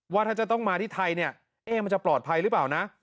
ว่าถ้าจะต้องมาที่ไทยเนี่ยมันจะปลอดภัยหรือเปล่านะ